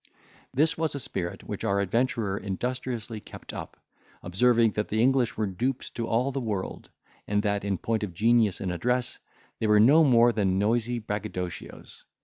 This was a spirit which our adventurer industriously kept up, observing that the English were dupes to all the world; and that, in point of genius and address, they were no more than noisy braggadocios.